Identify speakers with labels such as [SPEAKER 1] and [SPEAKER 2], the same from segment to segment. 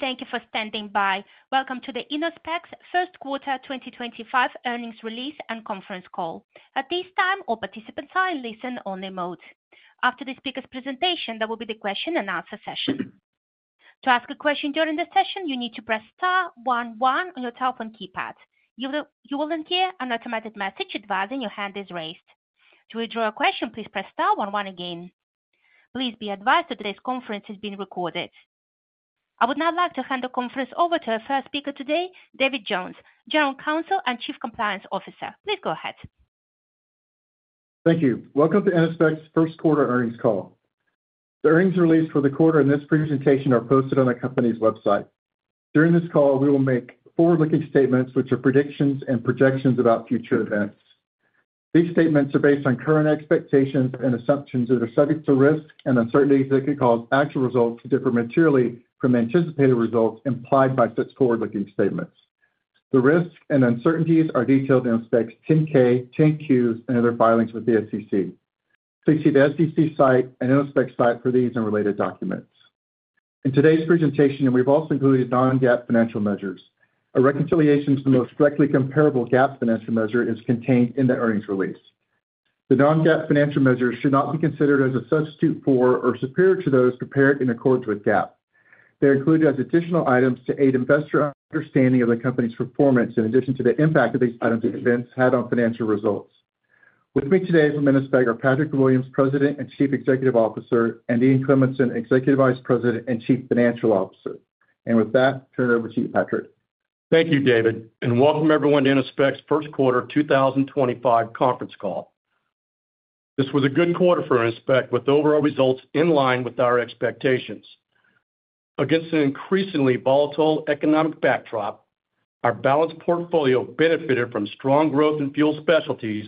[SPEAKER 1] Thank you for standing by. Welcome to Innospec's first quarter 2025 earnings release and conference call. At this time, all participants are in listen-only mode. After the speaker's presentation, there will be the question-and-answer session. To ask a question during the session, you need to press star one one* on your telephone keypad. You will then hear an automatic message advising your hand is raised. To withdraw a question, please press star one one* again. Please be advised that today's conference is being recorded. I would now like to hand the conference over to our first speaker today, David Jones, General Counsel and Chief Compliance Officer. Please go ahead.
[SPEAKER 2] Thank you. Welcome to Innospec's first quarter earnings call. The earnings release for the quarter and this presentation are posted on the company's website. During this call, we will make forward-looking statements, which are predictions and projections about future events. These statements are based on current expectations and assumptions that are subject to risk and uncertainties that could cause actual results to differ materially from anticipated results implied by such forward-looking statements. The risks and uncertainties are detailed in Innospec's 10-K, 10-Qs, and other filings with the SEC. Please see the SEC site and Innospec site for these and related documents. In today's presentation, we've also included non-GAAP financial measures. A reconciliation to the most directly comparable GAAP financial measure is contained in the earnings release. The non-GAAP financial measures should not be considered as a substitute for or superior to those prepared in accordance with GAAP. They are included as additional items to aid investor understanding of the company's performance in addition to the impact that these items and events had on financial results. With me today from Innospec are Patrick Williams, President and Chief Executive Officer, and Ian Cleminson, Executive Vice President and Chief Financial Officer. With that, turn it over to you, Patrick.
[SPEAKER 3] Thank you, David, and welcome everyone to Innospec's first quarter 2025 conference call. This was a good quarter for Innospec with overall results in line with our expectations. Against an increasingly volatile economic backdrop, our balanced portfolio benefited from strong growth in Fuel Specialties,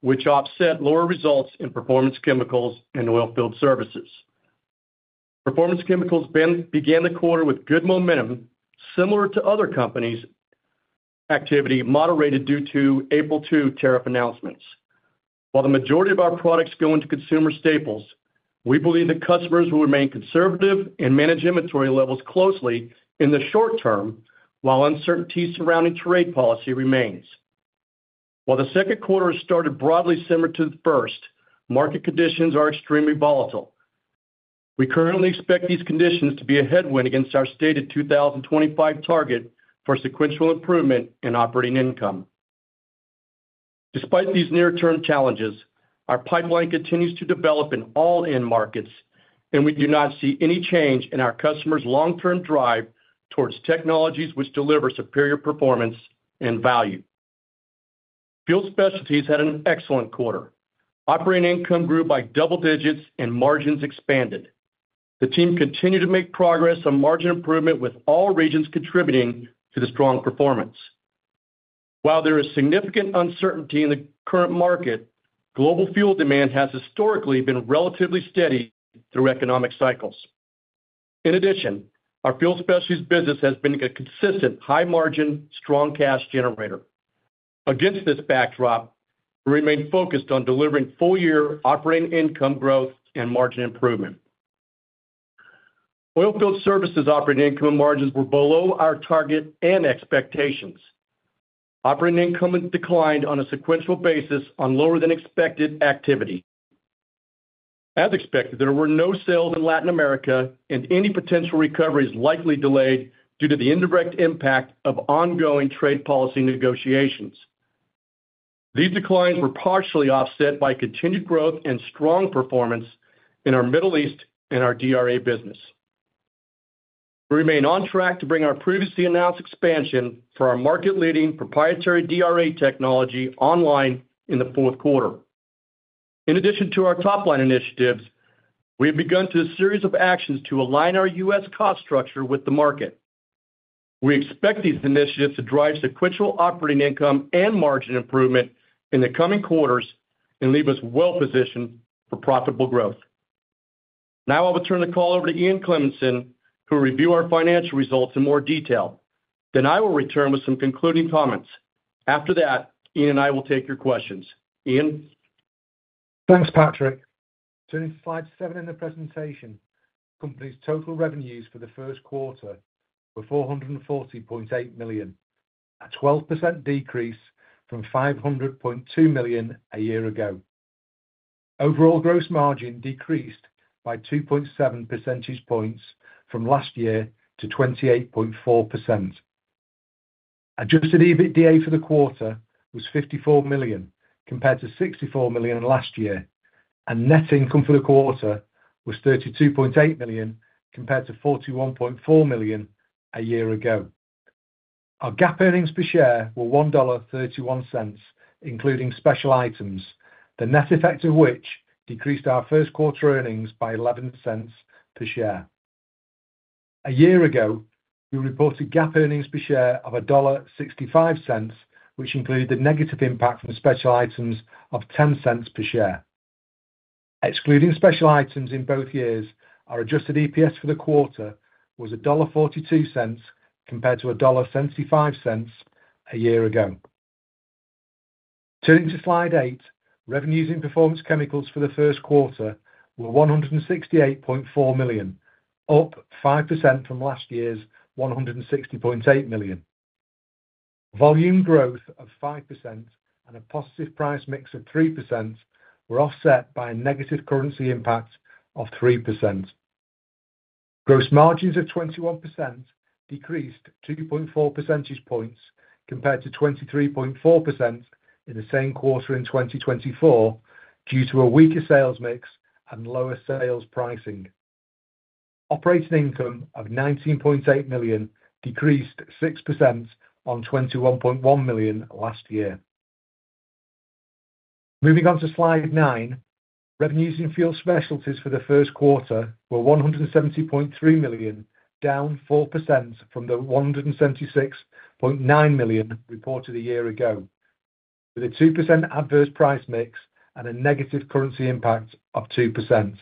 [SPEAKER 3] which offset lower results in Performance Chemicals and Oilfield Services. Performance Chemicals began the quarter with good momentum, similar to other companies' activity moderated due to April 2 tariff announcements. While the majority of our products go into consumer staples, we believe that customers will remain conservative and manage inventory levels closely in the short term while uncertainty surrounding trade policy remains. While the second quarter has started broadly similar to the first, market conditions are extremely volatile. We currently expect these conditions to be a headwind against our stated 2025 target for sequential improvement in operating income. Despite these near-term challenges, our pipeline continues to develop in all end markets, and we do not see any change in our customers' long-term drive towards technologies which deliver superior performance and value. Fuel Specialties had an excellent quarter. Operating income grew by double digits and margins expanded. The team continued to make progress on margin improvement with all regions contributing to the strong performance. While there is significant uncertainty in the current market, global fuel demand has historically been relatively steady through economic cycles. In addition, our Fuel Specialties business has been a consistent high-margin, strong cash generator. Against this backdrop, we remained focused on delivering full-year operating income growth and margin improvement. Oilfield Services' operating income and margins were below our target and expectations. Operating income declined on a sequential basis on lower-than-expected activity. As expected, there were no sales in Latin America, and any potential recovery is likely delayed due to the indirect impact of ongoing trade policy negotiations. These declines were partially offset by continued growth and strong performance in our Middle East and our DRA business. We remain on track to bring our previously announced expansion for our market-leading proprietary DRA technology online in the fourth quarter. In addition to our top-line initiatives, we have begun a series of actions to align our U.S. cost structure with the market. We expect these initiatives to drive sequential operating income and margin improvement in the coming quarters and leave us well-positioned for profitable growth. Now I will turn the call over to Ian Cleminson, who will review our financial results in more detail. I will return with some concluding comments. After that, Ian and I will take your questions. Ian.
[SPEAKER 4] Thanks, Patrick. During slide seven in the presentation, the company's total revenues for the first quarter were $440.8 million, a 12% decrease from $500.2 million a year ago. Overall gross margin decreased by 2.7 percentage points from last year to 28.4%. Adjusted EBITDA for the quarter was $54 million compared to $64 million last year, and net income for the quarter was $32.8 million compared to $41.4 million a year ago. Our GAAP earnings per share were $1.31, including special items, the net effect of which decreased our first quarter earnings by $0.11 per share. A year ago, we reported GAAP earnings per share of $1.65, which included the negative impact from special items of $0.10 per share. Excluding special items in both years, our Adjusted EPS for the quarter was $1.42 compared to $1.75 a year ago. Turning to slide eight, revenues in Performance Chemicals for the first quarter were $168.4 million, up 5% from last year's $160.8 million. Volume growth of 5% and a positive price mix of 3% were offset by a negative currency impact of 3%. Gross margins of 21% decreased 2.4 percentage points compared to 23.4% in the same quarter in 2024 due to a weaker sales mix and lower sales pricing. Operating income of $19.8 million decreased 6% on $21.1 million last year. Moving on to slide nine, revenues in Fuel Specialties for the first quarter were $170.3 million, down 4% from the $176.9 million reported a year ago, with a 2% adverse price mix and a negative currency impact of 2%.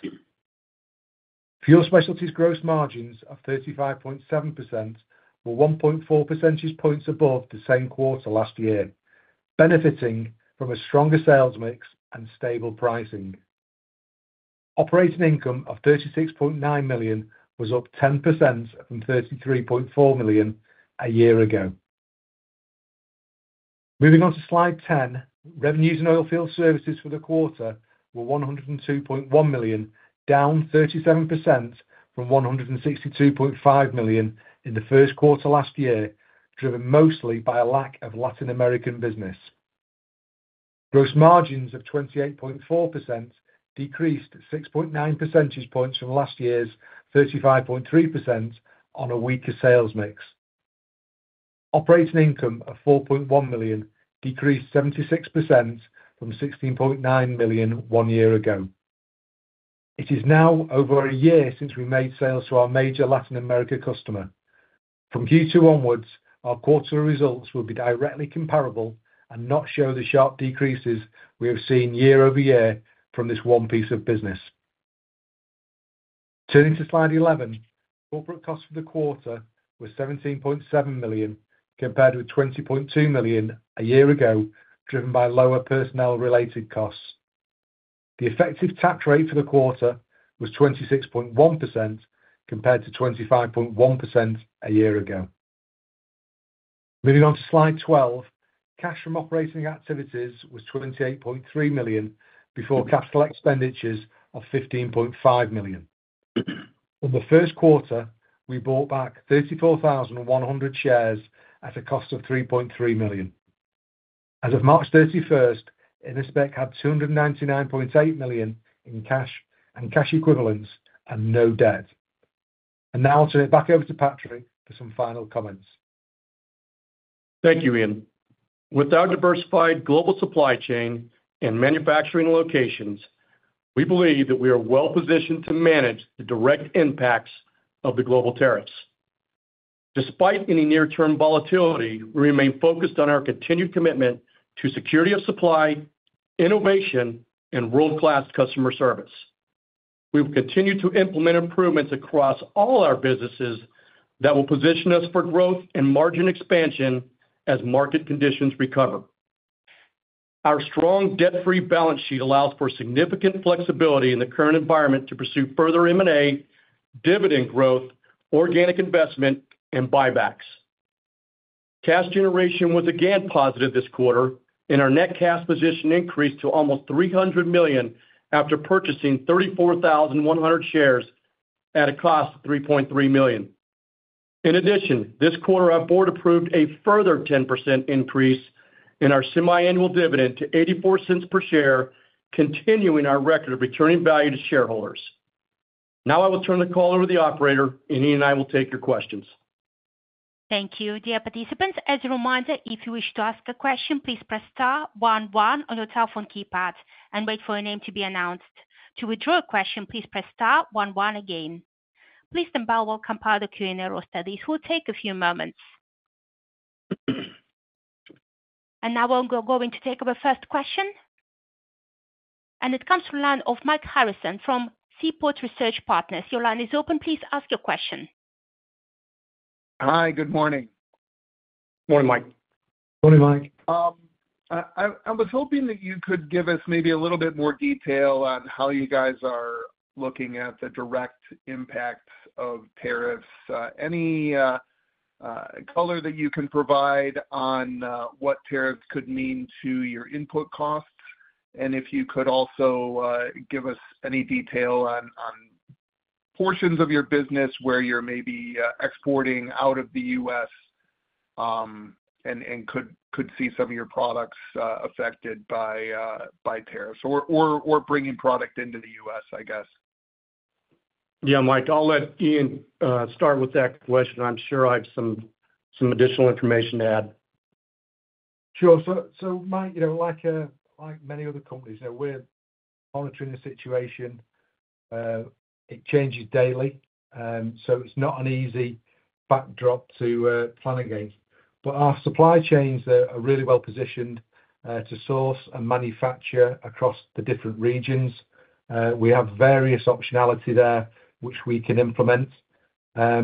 [SPEAKER 4] Fuel Specialties' gross margins of 35.7% were 1.4 percentage points above the same quarter last year, benefiting from a stronger sales mix and stable pricing. Operating income of $36.9 million was up 10% from $33.4 million a year ago. Moving on to slide ten, revenues in Oilfield Services for the quarter were $102.1 million, down 37% from $162.5 million in the first quarter last year, driven mostly by a lack of Latin American business. Gross margins of 28.4% decreased 6.9 percentage points from last year's 35.3% on a weaker sales mix. Operating income of $4.1 million decreased 76% from $16.9 million one year ago. It is now over a year since we made sales to our major Latin American customer. From Q2 onwards, our quarterly results will be directly comparable and not show the sharp decreases we have seen year over year from this one piece of business. Turning to slide eleven, corporate costs for the quarter were $17.7 million compared with $20.2 million a year ago, driven by lower personnel-related costs. The effective tax rate for the quarter was 26.1% compared to 25.1% a year ago. Moving on to slide twelve, cash from operating activities was $28.3 million before capital expenditures of $15.5 million. For the first quarter, we bought back 34,100 shares at a cost of $3.3 million. As of March 31st, Innospec had $299.8 million in cash and cash equivalents and no debt. I'll turn it back over to Patrick for some final comments.
[SPEAKER 3] Thank you, Ian. With our diversified global supply chain and manufacturing locations, we believe that we are well-positioned to manage the direct impacts of the global tariffs. Despite any near-term volatility, we remain focused on our continued commitment to security of supply, innovation, and world-class customer service. We will continue to implement improvements across all our businesses that will position us for growth and margin expansion as market conditions recover. Our strong debt-free balance sheet allows for significant flexibility in the current environment to pursue further M&A, dividend growth, organic investment, and buybacks. Cash generation was again positive this quarter, and our net cash position increased to almost $300 million after purchasing 34,100 shares at a cost of $3.3 million. In addition, this quarter, our board approved a further 10% increase in our semiannual dividend to $0.84 per share, continuing our record of returning value to shareholders. Now I will turn the call over to the operator, and Ian and I will take your questions.
[SPEAKER 1] Thank you, dear participants. As a reminder, if you wish to ask a question, please press star one one on your telephone keypad and wait for your name to be announced. To withdraw a question, please press star one one again. Please then bow or compile the Q&A or study. This will take a few moments. Now we are going to take up our first question. It comes from the line of Mike Harrison from Seaport Research Partners. Your line is open. Please ask your question.
[SPEAKER 5] Hi, good morning.
[SPEAKER 4] Morning, Mike.
[SPEAKER 5] Morning, Mike. I was hoping that you could give us maybe a little bit more detail on how you guys are looking at the direct impact of tariffs. Any color that you can provide on what tariffs could mean to your input costs? If you could also give us any detail on portions of your business where you're maybe exporting out of the U.S. and could see some of your products affected by tariffs or bringing product into the U.S., I guess.
[SPEAKER 4] Yeah, Mike, I'll let Ian start with that question. I'm sure I have some additional information to add.
[SPEAKER 3] Sure. Mike, like many other companies, we're monitoring the situation. It changes daily, so it's not an easy backdrop to plan against. Our supply chains are really well-positioned to source and manufacture across the different regions. We have various optionality there which we can implement. We're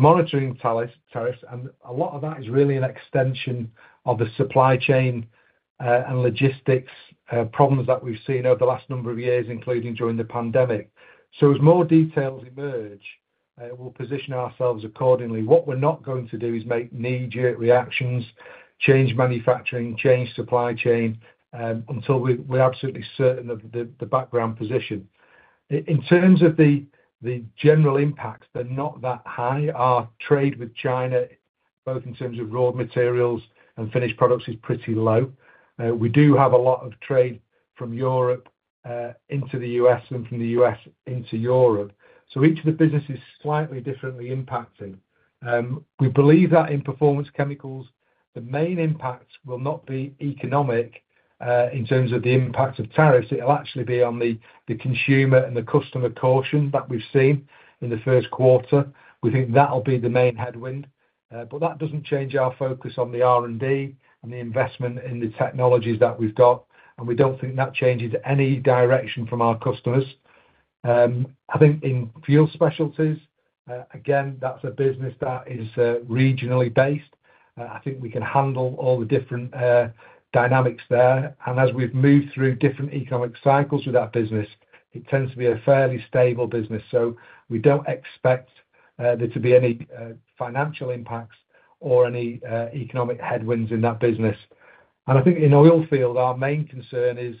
[SPEAKER 3] monitoring tariffs, and a lot of that is really an extension of the supply chain and logistics problems that we've seen over the last number of years, including during the pandemic. As more details emerge, we'll position ourselves accordingly. What we're not going to do is make knee-jerk reactions, change manufacturing, change supply chain until we're absolutely certain of the background position. In terms of the general impacts, they're not that high. Our trade with China, both in terms of raw materials and finished products, is pretty low. We do have a lot of trade from Europe into the U.S. from the U.S. into Europe. Each of the businesses is slightly differently impacted. We believe that in Performance Chemicals, the main impact will not be economic in terms of the impact of tariffs. It will actually be on the consumer and the customer caution that we have seen in the first quarter. We think that will be the main headwind. That does not change our focus on the R&D and the investment in the technologies that we have. We do not think that changes any direction from our customers. I think in Fuel Specialties, again, that is a business that is regionally based. I think we can handle all the different dynamics there. As we have moved through different economic cycles with that business, it tends to be a fairly stable business. We do not expect there to be any financial impacts or any economic headwinds in that business. I think in Oilfield Services, our main concern is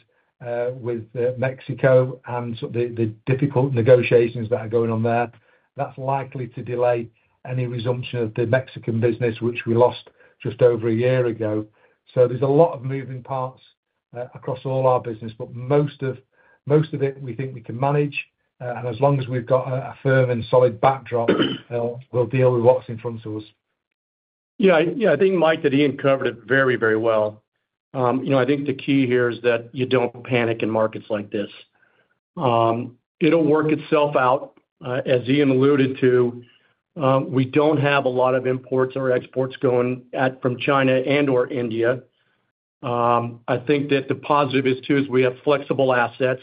[SPEAKER 3] with Mexico and the difficult negotiations that are going on there. That's likely to delay any resumption of the Mexican business, which we lost just over a year ago. There are a lot of moving parts across all our business, but most of it we think we can manage. As long as we've got a firm and solid backdrop, we'll deal with what's in front of us.
[SPEAKER 4] Yeah, I think Mike and Ian covered it very, very well. I think the key here is that you do not panic in markets like this. It will work itself out. As Ian alluded to, we do not have a lot of imports or exports going from China and/or India. I think that the positive is, too, is we have flexible assets.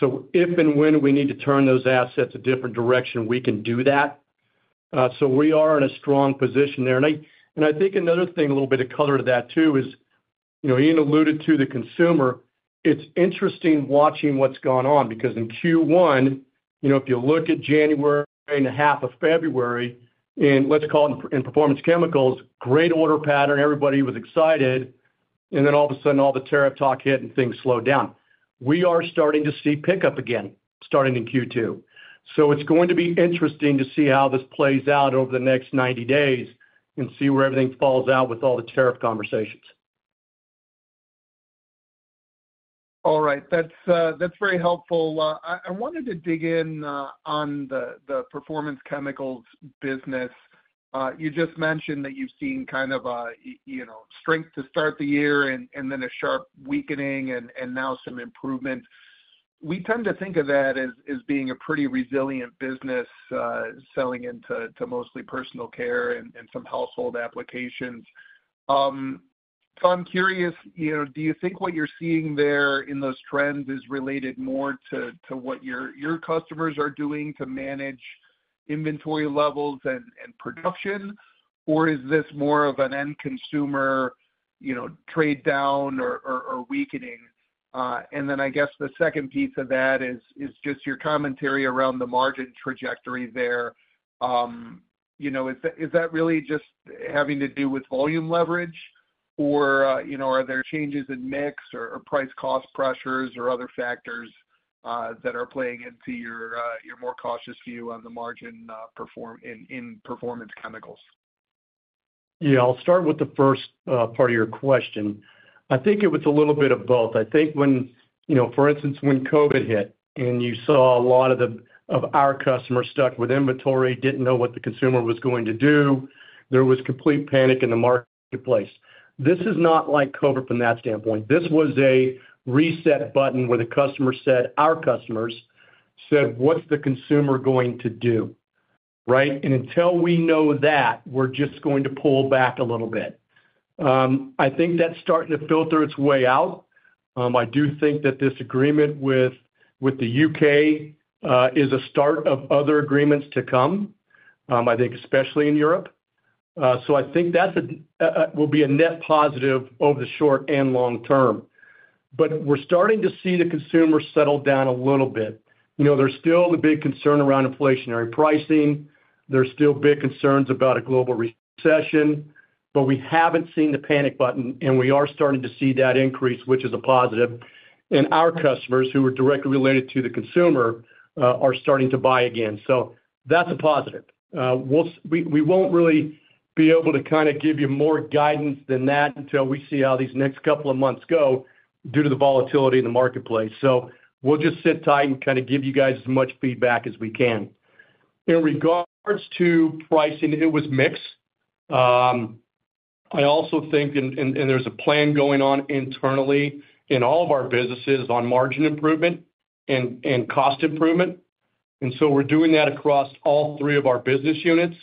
[SPEAKER 4] If and when we need to turn those assets a different direction, we can do that. We are in a strong position there. I think another thing, a little bit of color to that, too, is Ian alluded to the consumer. It is interesting watching what has gone on because in Q1, if you look at January and half of February, and let us call it in Performance Chemicals, great order pattern, everybody was excited. Then all of a sudden, all the tariff talk hit and things slowed down. We are starting to see pickup again, starting in Q2. It is going to be interesting to see how this plays out over the next 90 days and see where everything falls out with all the tariff conversations.
[SPEAKER 5] All right. That's very helpful. I wanted to dig in on the Performance Chemicals business. You just mentioned that you've seen kind of a strength to start the year and then a sharp weakening and now some improvement. We tend to think of that as being a pretty resilient business, selling into mostly personal care and some household applications. I'm curious, do you think what you're seeing there in those trends is related more to what your customers are doing to manage inventory levels and production? Is this more of an end consumer trade down or weakening? I guess the second piece of that is just your commentary around the margin trajectory there. Is that really just having to do with volume leverage? Are there changes in mix or price cost pressures or other factors that are playing into your more cautious view on the margin in Performance Chemicals?
[SPEAKER 4] Yeah, I'll start with the first part of your question. I think it was a little bit of both. I think, for instance, when COVID hit and you saw a lot of our customers stuck with inventory, didn't know what the consumer was going to do, there was complete panic in the marketplace. This is not like COVID from that standpoint. This was a reset button where the customer said, our customers said, what's the consumer going to do? Right? And until we know that, we're just going to pull back a little bit. I think that's starting to filter its way out. I do think that this agreement with the U.K. is a start of other agreements to come, I think, especially in Europe. I think that will be a net positive over the short and long term. We're starting to see the consumer settle down a little bit. There's still the big concern around inflationary pricing. There's still big concerns about a global recession. We haven't seen the panic button, and we are starting to see that increase, which is a positive. Our customers who are directly related to the consumer are starting to buy again. That's a positive. We won't really be able to kind of give you more guidance than that until we see how these next couple of months go due to the volatility in the marketplace. We'll just sit tight and kind of give you guys as much feedback as we can. In regards to pricing, it was mixed. I also think, and there's a plan going on internally in all of our businesses on margin improvement and cost improvement. We're doing that across all three of our business units.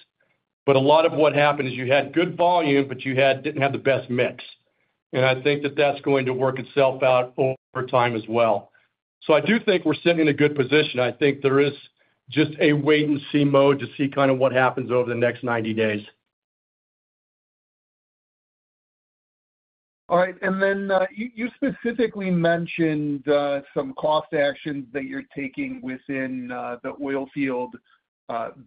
[SPEAKER 4] A lot of what happened is you had good volume, but you didn't have the best mix. I think that that's going to work itself out over time as well. I do think we're sitting in a good position. I think there is just a wait-and-see mode to see kind of what happens over the next 90 days.
[SPEAKER 5] All right. You specifically mentioned some cost actions that you're taking within the Oilfield Services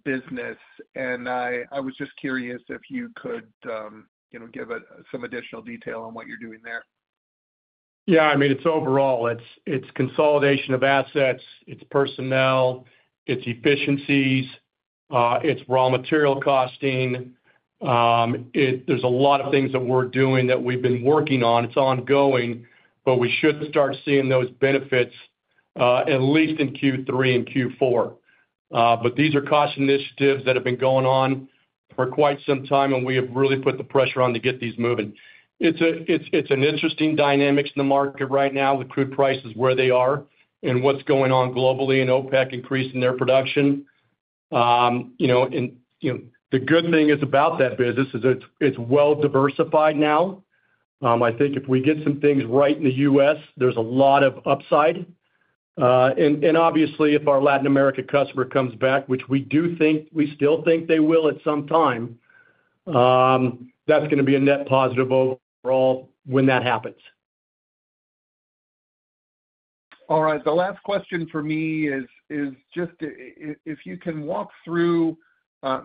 [SPEAKER 5] business. I was just curious if you could give some additional detail on what you're doing there.
[SPEAKER 3] Yeah, I mean, it's overall. It's consolidation of assets. It's personnel. It's efficiencies. It's raw material costing. There's a lot of things that we're doing that we've been working on. It's ongoing, but we should start seeing those benefits at least in Q3 and Q4. These are cost initiatives that have been going on for quite some time, and we have really put the pressure on to get these moving. It's an interesting dynamic in the market right now with crude prices where they are and what's going on globally with OPEC increasing their production. The good thing about that business is it's well-diversified now. I think if we get some things right in the U.S., there's a lot of upside. If our Latin America customer comes back, which we do think we still think they will at some time, that's going to be a net positive overall when that happens.
[SPEAKER 5] All right. The last question for me is just if you can walk through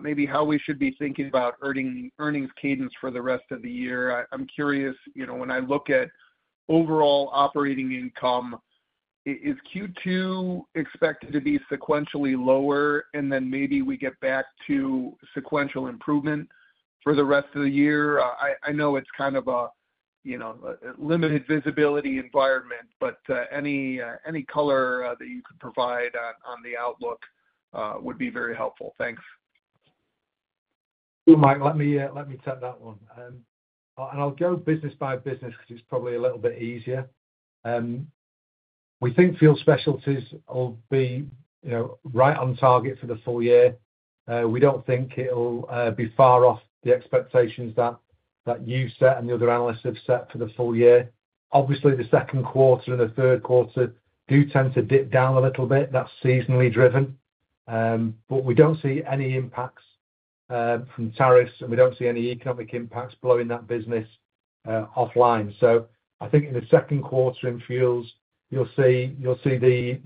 [SPEAKER 5] maybe how we should be thinking about earnings cadence for the rest of the year. I'm curious, when I look at overall operating income, is Q2 expected to be sequentially lower and then maybe we get back to sequential improvement for the rest of the year? I know it's kind of a limited visibility environment, but any color that you could provide on the outlook would be very helpful. Thanks.
[SPEAKER 4] Mike, let me take that one. I'll go business by business because it's probably a little bit easier. We think Fuel Specialties will be right on target for the full year. We don't think it'll be far off the expectations that you've set and the other analysts have set for the full year. Obviously, the second quarter and the third quarter do tend to dip down a little bit. That's seasonally driven. We don't see any impacts from tariffs, and we don't see any economic impacts blowing that business offline. I think in the second quarter in fuels, you'll see the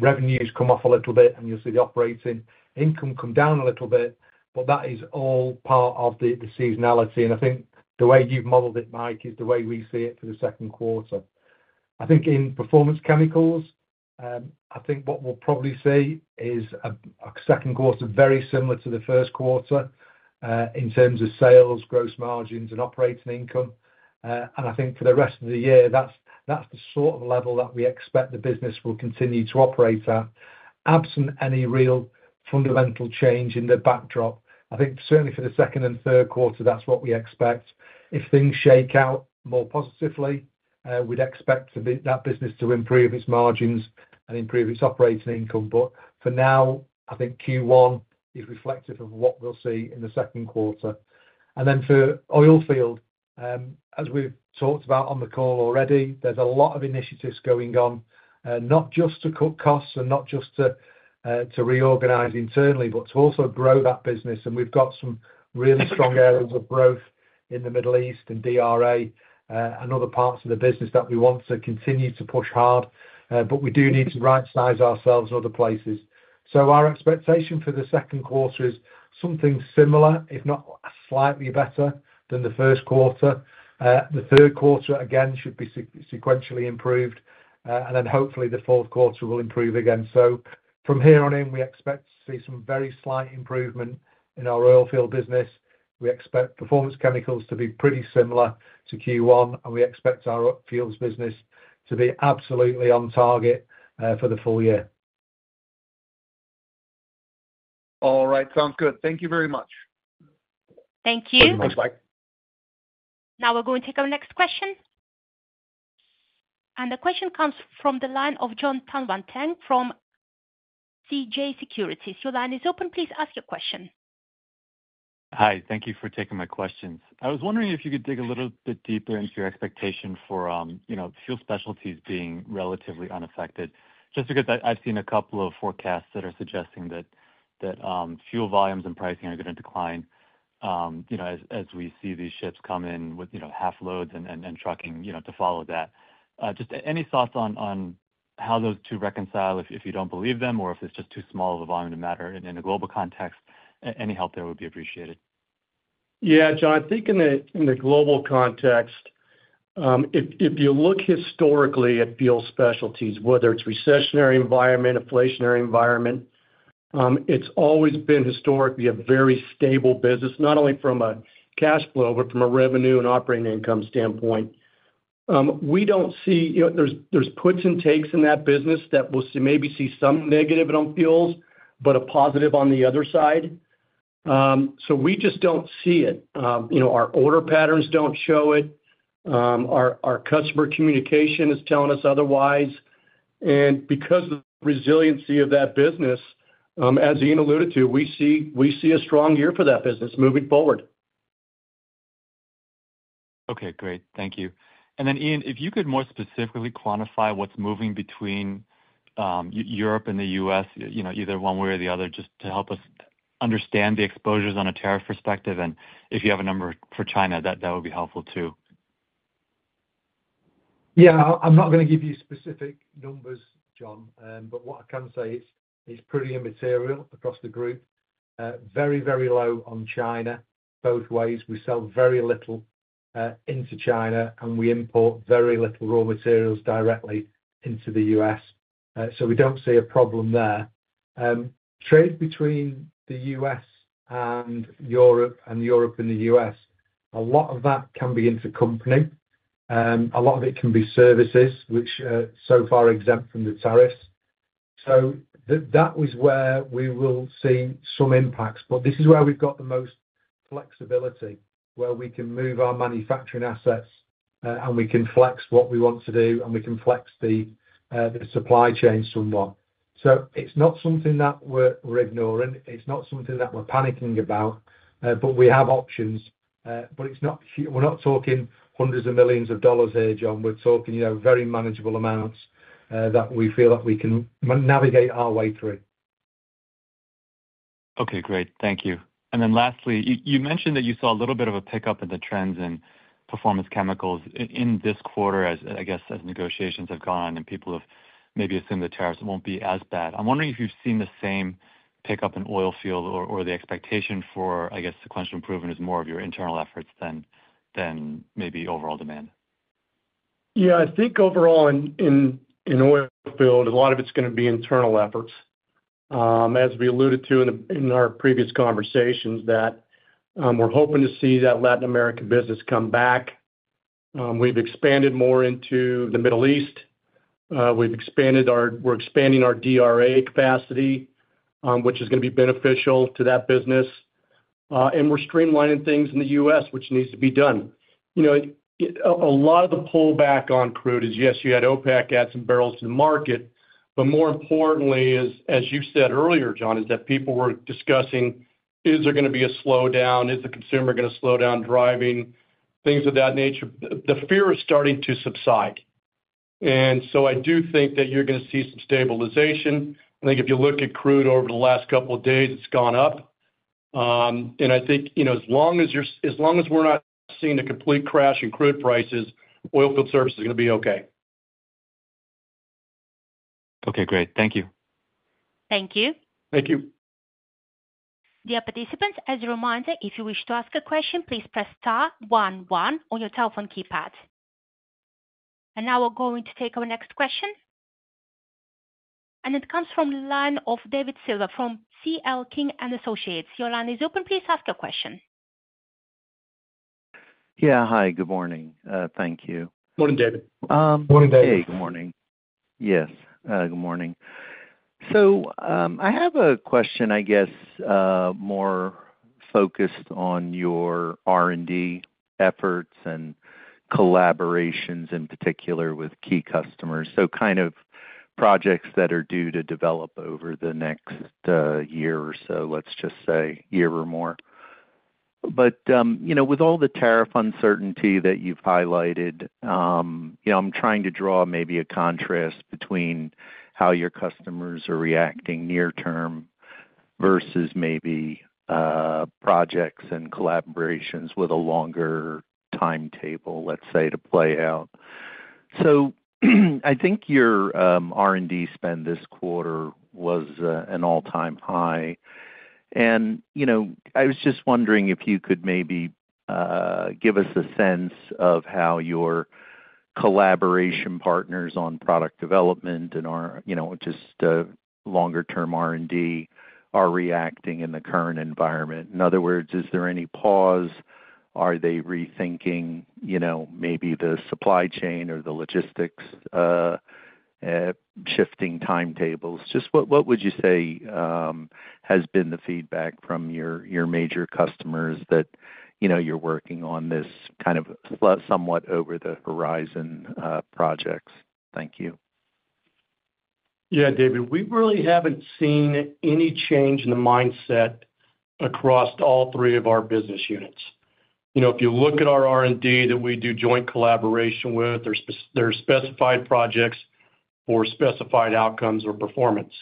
[SPEAKER 4] revenues come off a little bit, and you'll see the operating income come down a little bit. That is all part of the seasonality. I think the way you've modeled it, Mike, is the way we see it for the second quarter. I think in Performance Chemicals, I think what we'll probably see is a second quarter very similar to the first quarter in terms of sales, gross margins, and operating income. I think for the rest of the year, that's the sort of level that we expect the business will continue to operate at, absent any real fundamental change in the backdrop. I think certainly for the second and third quarter, that's what we expect. If things shake out more positively, we'd expect that business to improve its margins and improve its operating income. For now, I think Q1 is reflective of what we'll see in the second quarter. For Oilfield, as we've talked about on the call already, there's a lot of initiatives going on, not just to cut costs and not just to reorganize internally, but to also grow that business. We have some really strong areas of growth in the Middle East and DRA and other parts of the business that we want to continue to push hard. We do need to right-size ourselves in other places. Our expectation for the second quarter is something similar, if not slightly better than the first quarter. The third quarter, again, should be sequentially improved. Hopefully, the fourth quarter will improve again. From here on in, we expect to see some very slight improvement in our oil field business. We expect Performance Chemicals to be pretty similar to Q1, and we expect our fuel business to be absolutely on target for the full year.
[SPEAKER 5] All right. Sounds good. Thank you very much.
[SPEAKER 1] Thank you.
[SPEAKER 3] Thank you very much, Mike.
[SPEAKER 1] Now we're going to take our next question. The question comes from the line of Jon Tanwanteng from CJS Securities. Your line is open. Please ask your question.
[SPEAKER 6] Hi. Thank you for taking my questions. I was wondering if you could dig a little bit deeper into your expectation for Fuel Specialties being relatively unaffected, just because I've seen a couple of forecasts that are suggesting that fuel volumes and pricing are going to decline as we see these ships come in with half loads and trucking to follow that. Just any thoughts on how those two reconcile, if you don't believe them, or if it's just too small of a volume to matter in a global context? Any help there would be appreciated.
[SPEAKER 4] Yeah, Jon, I think in the global context, if you look historically at Fuel Specialties, whether it's a recessionary environment, inflationary environment, it's always been historically a very stable business, not only from a cash flow, but from a revenue and operating income standpoint. We don't see there's puts and takes in that business that we'll maybe see some negative on fuels, but a positive on the other side. We just don't see it. Our order patterns don't show it. Our customer communication is telling us otherwise. Because of the resiliency of that business, as Ian alluded to, we see a strong year for that business moving forward.
[SPEAKER 6] Okay. Great. Thank you. Ian, if you could more specifically quantify what's moving between Europe and the U.S., either one way or the other, just to help us understand the exposures on a tariff perspective. If you have a number for China, that would be helpful too.
[SPEAKER 4] Yeah. I'm not going to give you specific numbers, Jon, but what I can say is it's pretty immaterial across the group. Very, very low on China both ways. We sell very little into China, and we import very little raw materials directly into the U.S. We do not see a problem there. Trade between the U.S. and Europe and Europe and the U.S., a lot of that can be intercompany. A lot of it can be services, which so far are exempt from the tariffs. That was where we will see some impacts. This is where we've got the most flexibility, where we can move our manufacturing assets, and we can flex what we want to do, and we can flex the supply chain somewhat. It's not something that we're ignoring. It's not something that we're panicking about. We have options. We're not talking hundreds of millions of dollars here, Jon. We're talking very manageable amounts that we feel that we can navigate our way through.
[SPEAKER 6] Okay. Great. Thank you. Lastly, you mentioned that you saw a little bit of a pickup in the trends in Performance Chemicals in this quarter, I guess, as negotiations have gone on and people have maybe assumed the tariffs will not be as bad. I am wondering if you have seen the same pickup in Oilfield Services or the expectation for, I guess, sequential improvement is more of your internal efforts than maybe overall demand.
[SPEAKER 4] Yeah. I think overall in Oilfield Services, a lot of it's going to be internal efforts. As we alluded to in our previous conversations, we're hoping to see that Latin America business come back. We've expanded more into the Middle East. We're expanding our DRA capacity, which is going to be beneficial to that business. We're streamlining things in the U.S., which needs to be done. A lot of the pullback on crude is, yes, you had OPEC add some barrels to the market. More importantly, as you said earlier, Jon, is that people were discussing, is there going to be a slowdown? Is the consumer going to slow down driving? Things of that nature. The fear is starting to subside. I do think that you're going to see some stabilization. I think if you look at crude over the last couple of days, it's gone up. I think as long as we're not seeing a complete crash in crude prices, Oilfield Services is going to be okay.
[SPEAKER 6] Okay. Great. Thank you.
[SPEAKER 1] Thank you.
[SPEAKER 4] Thank you.
[SPEAKER 1] Dear participants, as a reminder, if you wish to ask a question, please press star one one on your telephone keypad. We are going to take our next question. It comes from the line of David Silver from C.L. King & Associates. Your line is open. Please ask a question.
[SPEAKER 7] Yeah. Hi. Good morning. Thank you.
[SPEAKER 5] Good morning, David.
[SPEAKER 4] Morning, David.
[SPEAKER 7] Hey. Good morning. Yes. Good morning. I have a question, I guess, more focused on your R&D efforts and collaborations in particular with key customers. Kind of projects that are due to develop over the next year or so, let's just say, year or more. With all the tariff uncertainty that you've highlighted, I'm trying to draw maybe a contrast between how your customers are reacting near-term versus maybe projects and collaborations with a longer timetable, let's say, to play out. I think your R&D spend this quarter was an all-time high. I was just wondering if you could maybe give us a sense of how your collaboration partners on product development and just longer-term R&D are reacting in the current environment. In other words, is there any pause? Are they rethinking maybe the supply chain or the logistics shifting timetables? Just what would you say has been the feedback from your major customers that you're working on this kind of somewhat over-the-horizon projects? Thank you.
[SPEAKER 4] Yeah, David. We really haven't seen any change in the mindset across all three of our business units. If you look at our R&D that we do joint collaboration with, there are specified projects for specified outcomes or performance.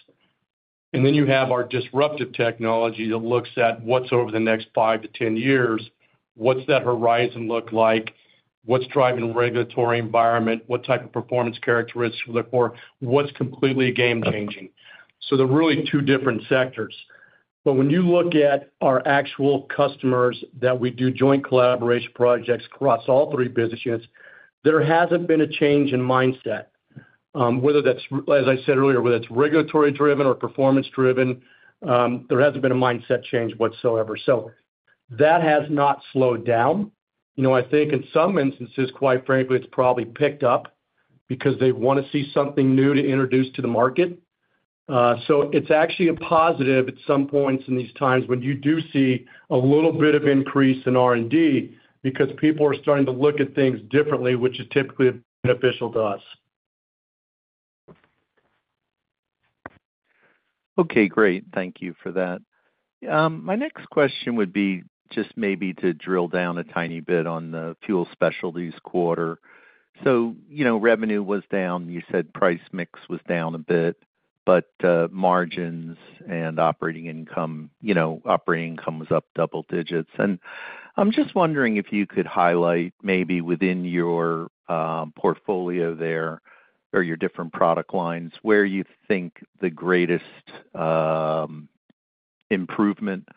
[SPEAKER 4] You have our disruptive technology that looks at what's over the next 5 years-10 years, what's that horizon look like, what's driving the regulatory environment, what type of performance characteristics we look for, what's completely game-changing. They are really two different sectors. When you look at our actual customers that we do joint collaboration projects across all three business units, there hasn't been a change in mindset. As I said earlier, whether it's regulatory-driven or performance-driven, there hasn't been a mindset change whatsoever. That has not slowed down. I think in some instances, quite frankly, it's probably picked up because they want to see something new to introduce to the market. It's actually a positive at some points in these times when you do see a little bit of increase in R&D because people are starting to look at things differently, which is typically beneficial to us.
[SPEAKER 7] Okay. Great. Thank you for that. My next question would be just maybe to drill down a tiny bit on the Fuel Specialties quarter. Revenue was down. You said price mix was down a bit, but margins and operating income was up double digits. I'm just wondering if you could highlight maybe within your portfolio there or your different product lines where you think the greatest improvement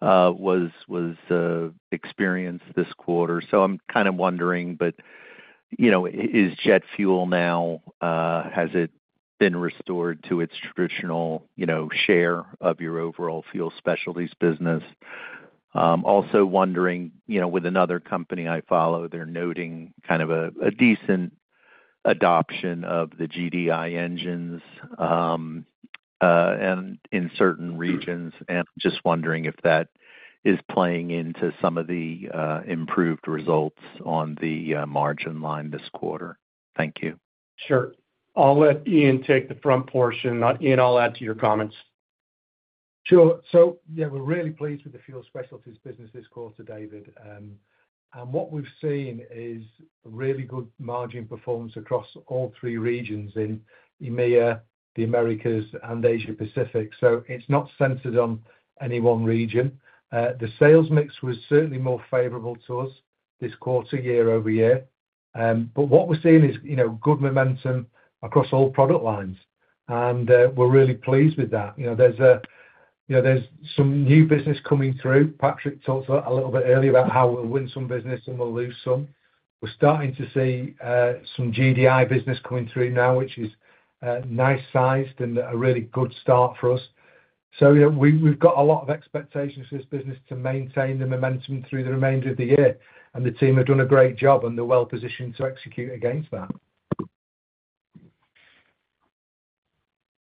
[SPEAKER 7] was experienced this quarter. I'm kind of wondering, is Jet fuel now, has it been restored to its traditional share of your overall Fuel Specialties business? Also wondering, with another company I follow, they're noting kind of a decent adoption of the GDi engines in certain regions. I'm just wondering if that is playing into some of the improved results on the margin line this quarter. Thank you.
[SPEAKER 3] Sure. I'll let Ian take the front portion. Ian, I'll add to your comments.
[SPEAKER 4] Sure. So yeah, we're really pleased with the Fuel Specialties business this quarter, David. And what we've seen is really good margin performance across all three regions in EMEA, the Americas, and Asia-Pacific. So it's not centered on any one region. The sales mix was certainly more favorable to us this quarter year over year. But what we're seeing is good momentum across all product lines. And we're really pleased with that. There's some new business coming through. Patrick talked a little bit earlier about how we'll win some business and we'll lose some. We're starting to see some GDi business coming through now, which is nice-sized and a really good start for us. So we've got a lot of expectations for this business to maintain the momentum through the remainder of the year. And the team have done a great job, and they're well-positioned to execute against that.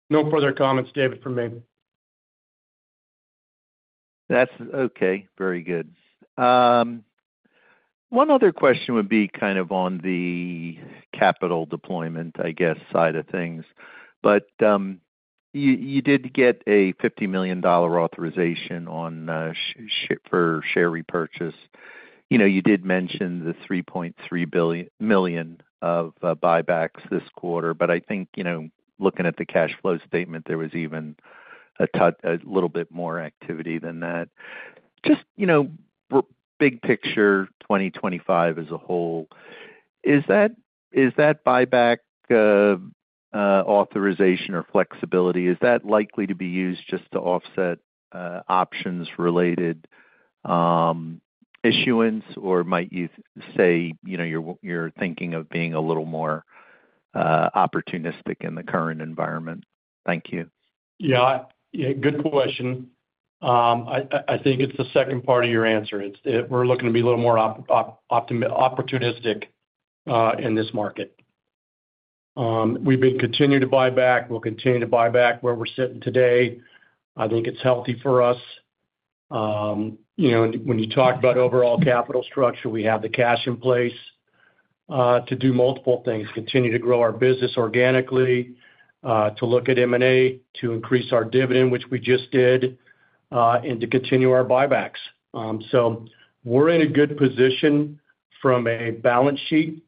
[SPEAKER 3] No further comments, David, from me.
[SPEAKER 7] That's okay. Very good. One other question would be kind of on the capital deployment, I guess, side of things. You did get a $50 million authorization for share repurchase. You did mention the $3.3 million of buybacks this quarter. I think looking at the cash flow statement, there was even a little bit more activity than that. Just big picture 2025 as a whole, is that buyback authorization or flexibility, is that likely to be used just to offset options-related issuance? Or might you say you're thinking of being a little more opportunistic in the current environment? Thank you.
[SPEAKER 4] Yeah. Good question. I think it's the second part of your answer. We're looking to be a little more opportunistic in this market. We've been continuing to buy back. We'll continue to buy back where we're sitting today. I think it's healthy for us. When you talk about overall capital structure, we have the cash in place to do multiple things, continue to grow our business organically, to look at M&A, to increase our dividend, which we just did, and to continue our buybacks. We're in a good position from a balance sheet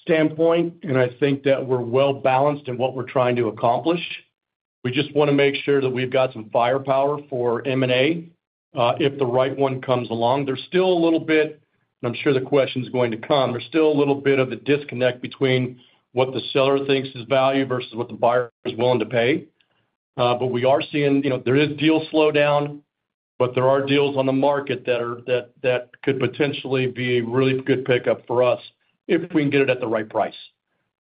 [SPEAKER 4] standpoint. I think that we're well-balanced in what we're trying to accomplish. We just want to make sure that we've got some firepower for M&A if the right one comes along. There's still a little bit—and I'm sure the question's going to come—there's still a little bit of a disconnect between what the seller thinks is value versus what the buyer is willing to pay. We are seeing there is deal slowdown, but there are deals on the market that could potentially be a really good pickup for us if we can get it at the right price.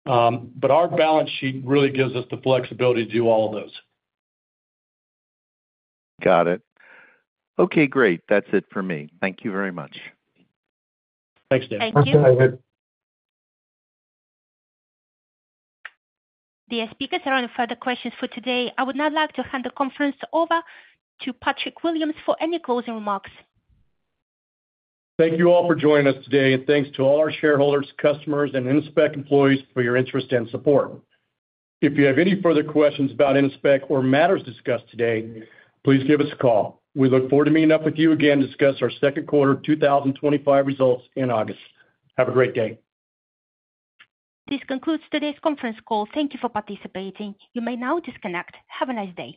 [SPEAKER 4] Our balance sheet really gives us the flexibility to do all of those.
[SPEAKER 7] Got it. Okay. Great. That's it for me. Thank you very much.
[SPEAKER 4] Thanks, David.
[SPEAKER 1] Thank you.
[SPEAKER 4] Thanks, David.
[SPEAKER 1] The speakers are on for the questions for today. I would now like to hand the conference over to Patrick Williams for any closing remarks.
[SPEAKER 3] Thank you all for joining us today. Thank you to all our shareholders, customers, and Innospec employees for your interest and support. If you have any further questions about Innospec or matters discussed today, please give us a call. We look forward to meeting up with you again to discuss our second quarter 2025 results in August. Have a great day.
[SPEAKER 1] This concludes today's conference call. Thank you for participating. You may now disconnect. Have a nice day.